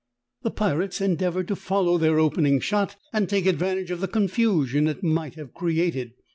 "The pirates endeavored to follow their opening shot and take advantage of the confusion it might have created.